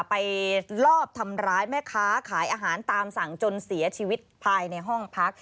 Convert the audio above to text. ลอบทำร้ายแม่ค้าขายอาหารตามสั่งจนเสียชีวิตภายในห้องพัก